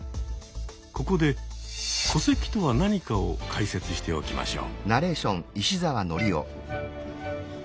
ここで戸籍とは何かを解説しておきましょう。